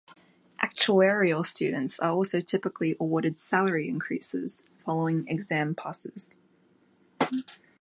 Actuarial students are also typically awarded salary increases following exam passes.